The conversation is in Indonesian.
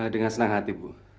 dengan senang hati bu